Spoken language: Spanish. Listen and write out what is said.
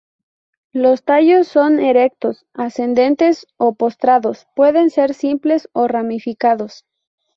Los tallos son erectos, ascendentes o postrados; pueden ser simples o ramificados.